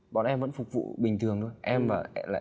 bọn em vẫn phục vụ bình thường thôi